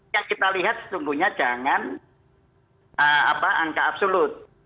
yang kita lihat sesungguhnya jangan angka absolut